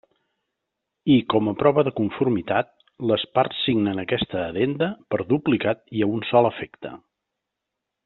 I, com a prova de conformitat, les parts signen aquesta Addenda per duplicat i a un sol efecte.